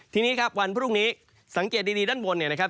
ทีนี้ครับวันพรุ่งนี้สังเกตดีด้านบนเนี่ยนะครับ